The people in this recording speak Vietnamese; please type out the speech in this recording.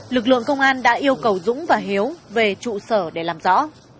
lực lượng công an đã yêu cầu dũng và hiếu về trụ sở để làm rõ